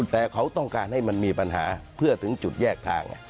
แต่เขาต้องการให้มันมีปัญหาเพื่อถึงจุดแยกทาง